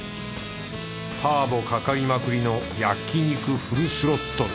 ターボかかりまくりの焼肉フルスロットル！